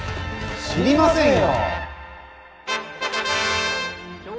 知りませんよ！